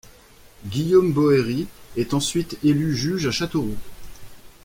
Guillaume Boëry est ensuite élu juge à Châteauroux.